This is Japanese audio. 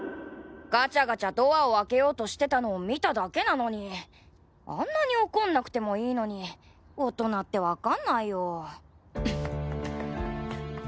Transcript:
ガチャガチャドアを開けようとしてたのを見ただけなのにあんなに怒んなくてもいいのに大人って分かんないよ。